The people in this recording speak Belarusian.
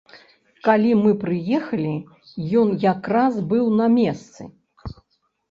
Калі мы прыехалі, ён якраз быў на месцы.